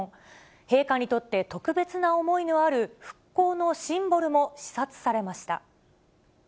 陛下にとって特別な思いのある復興のシンボルも視察されました。